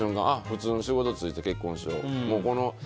あ、普通の仕事就いて結婚しよう。